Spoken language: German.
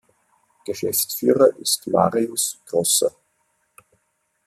Geschäftsführer ist Marius Grosser.